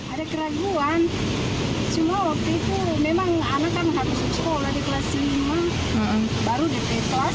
ada keraguan cuma waktu itu memang anak kan harus sekolah di kelas lima baru dari kelas